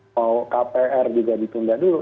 mau kpr juga ditunda dulu